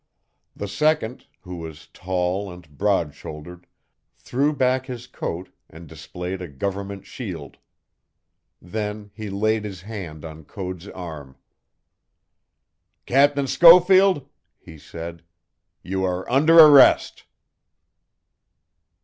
The second, who was tall and broad shouldered, threw back his coat and displayed a government shield. Then he laid his hand on Code's arm. "Captain Schofield," he said, "you are under arrest!"